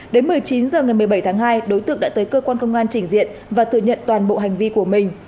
đến một mươi chín h ngày một mươi bảy tháng hai đối tượng đã tới cơ quan công an chỉnh diện và thừa nhận toàn bộ hành vi của mình